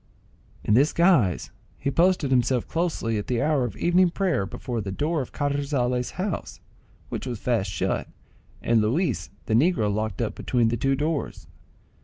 In this guise he posted himself closely at the hour of evening prayer before the door of Carrizales' house, which was fast shut, and Luis the negro locked up between the two doors.